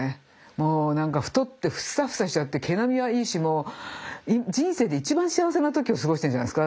もう何か太ってフッサフサしちゃって毛並みはいいしもう人生で一番幸せな時を過ごしてるんじゃないですか？